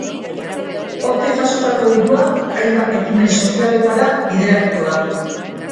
Hortik jasotako dirua, hainbat ekimen sozialetara bideratuko da.